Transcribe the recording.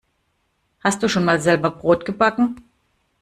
Hast du schon mal selber Brot gebacken?